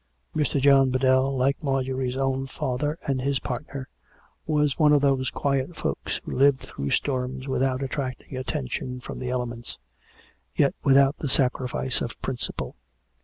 Mr. John Biddell, like Marjorie's own father and his partner, was one of those quiet folks who live through storms without attracting attention from the elements, yet without the sacrifice of principle.